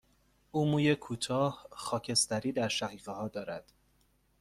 او موی کوتاه، خاکستری در شقیقه ها دارد.